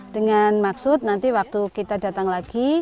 dengan maksud nanti waktu kita datang lagi